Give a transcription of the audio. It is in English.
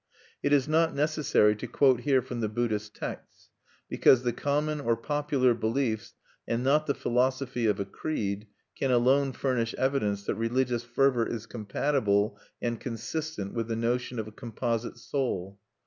It is not necessary to quote here from the Buddhist texts, because the common or popular beliefs, and not the philosophy of a creed, can alone furnish evidence that religious fervor is compatible and consistent with the notion of a composite soul.